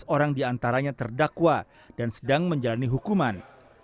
empat belas orang diantaranya terdakwa dan sedang menjalani hukuman